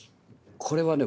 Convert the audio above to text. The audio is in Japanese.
これはね